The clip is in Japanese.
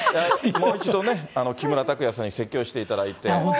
もう一度ね、木村拓哉さんに説教していただいて。